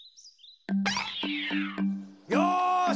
よし！